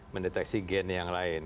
mendeteksi gen yang lain